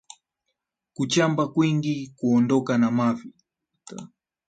Kuchamba kwingi, kuondoka na mavi